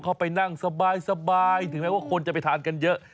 เข้าไปนั่งสบายถึงแม้ว่าคนจะไปทานกันเยอะ